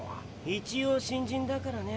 一応新人だからね。